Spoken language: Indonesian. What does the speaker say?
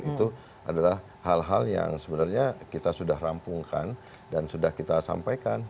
itu adalah hal hal yang sebenarnya kita sudah rampungkan dan sudah kita sampaikan